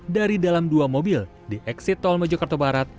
dari dalam dua mobil di eksit tol mojokerto barat